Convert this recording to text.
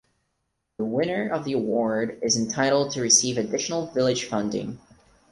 The winner of the award is entitled to receive additional village funding.